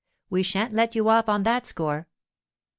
We shan't let you off on that score.